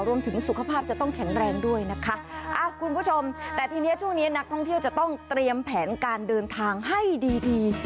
รวมถึงสุขภาพจะต้องแข็งแรงด้วยนะคะคุณผู้ชมแต่ทีนี้ช่วงนี้นักท่องเที่ยวจะต้องเตรียมแผนการเดินทางให้ดีดี